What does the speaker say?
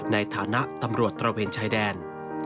ในฐานะตำรวจตระเวนชายแดน